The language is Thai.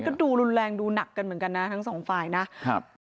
ก็ดูรุนแรงดูหนักกันเหมือนกันนะทั้งสองฝ่ายนะครับ